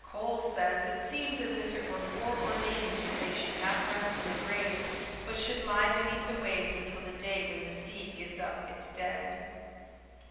Coles says it seems as if it were foreordained that they should not rest in a grave, but should lie beneath the waves until the day when the sea gives up its dead."